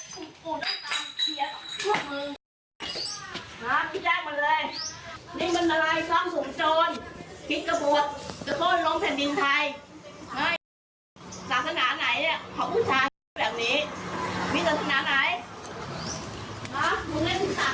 จัดการปลาขวดปลาไทย